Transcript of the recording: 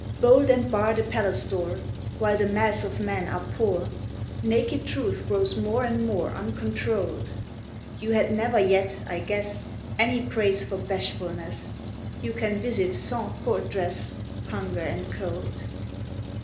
Bolt and bar the palace door; While the mass of men are poor, Naked truth grows more and more Uncontrolled; You had never yet, I guess, Any praise for bashfulness, You can visit sans court dress, Hunger and Cold!